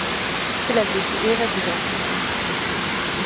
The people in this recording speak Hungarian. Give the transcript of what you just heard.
Születési éve bizonytalan.